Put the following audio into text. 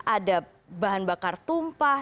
ada bahan bakar tumpah